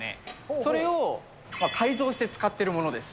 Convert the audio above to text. それを改造して使ってるものです。